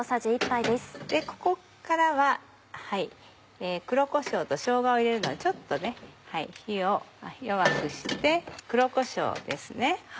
ここからは黒こしょうとしょうがを入れるのでちょっと火を弱くして黒こしょうです。